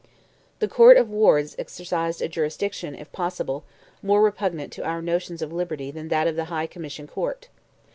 The Court of Wards exercised a jurisdiction, if possible, more repugnant to our first notions of liberty than that of the High Commission Court.